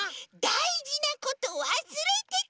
だいじなことわすれてた！